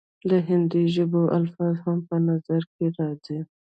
د هندي ژبو الفاظ هم پۀ نظر راځي،